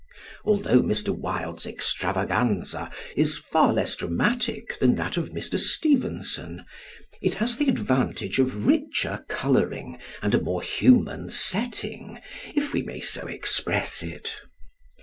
Although. Mr. Wilde's extravaganza is far less dramatic than that of Mr. Stevenson, it has the advantage of richer colouring and a more human setting, if we may so express it.